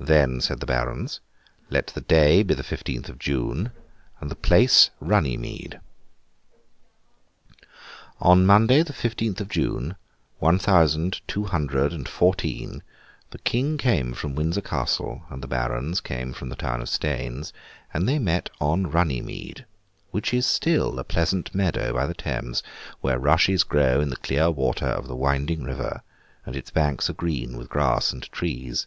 'Then,' said the Barons, 'let the day be the fifteenth of June, and the place, Runny Mead.' On Monday, the fifteenth of June, one thousand two hundred and fourteen, the King came from Windsor Castle, and the Barons came from the town of Staines, and they met on Runny Mead, which is still a pleasant meadow by the Thames, where rushes grow in the clear water of the winding river, and its banks are green with grass and trees.